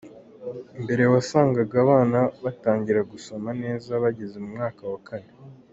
Mbere wasangaga, abana batangira gusoma neza bageze mu mwaka wa kane.